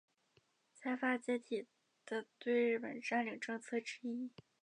财阀解体的对日本占领政策之一。